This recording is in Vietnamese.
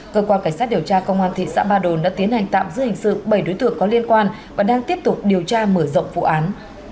cơ quan cảnh sát điều tra công an thị xã ba đồn đã tiến hành tạm giữ hình sự bảy đối tượng có liên quan và đang tiếp tục điều tra mở rộng vụ án